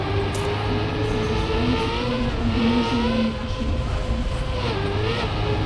Wallis is a strong supporter of the New Zealand National Party.